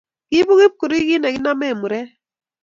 Kiibu kipkurui kiit neginame murek